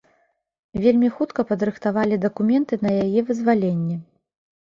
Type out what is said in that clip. Вельмі хутка падрыхтавалі дакументы на яе вызваленне.